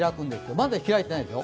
まだ開いていないですよ。